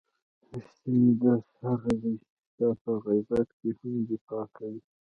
رښتینی دوست هغه دی چې ستا په غیابت کې هم دفاع کړي.